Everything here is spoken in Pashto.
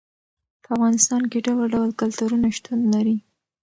په افغانستان کې ډول ډول کلتورونه شتون لري.